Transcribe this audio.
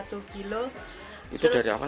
itu dari awal ya